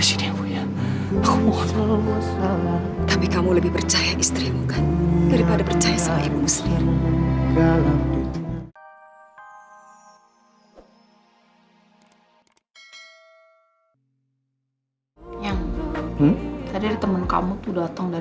sampai jumpa di video selanjutnya